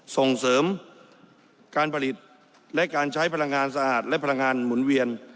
ส่งเสริมการผลิตและการใช้พลังงานสะอาดและพลังงานหมุนเวียน